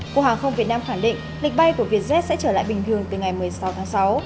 cục hàng không việt nam khẳng định lịch bay của vietjet sẽ trở lại bình thường từ ngày một mươi sáu tháng sáu